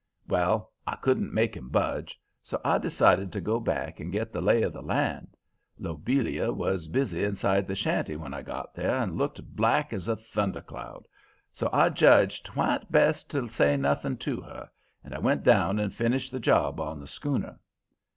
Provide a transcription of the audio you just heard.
"Well, I couldn't make him budge, so I decided to go back and get the lay of the land. Lobelia was busy inside the shanty when I got there and looking black as a thundercloud, so I judged 'twa'n't best to say nothing to her, and I went down and finished the job on the schooner.